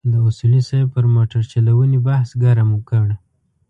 د اصولي صیب پر موټرچلونې بحث ګرم کړ.